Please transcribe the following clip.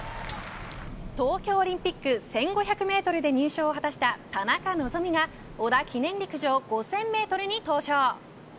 東京オリンピック１５００メートルで入賞を果たした田中希実が織田記念陸上５０００メートルに登場。